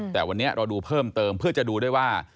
แต่วันนี้เราดูเพิ่มเติมเพื่อจะดูได้ว่า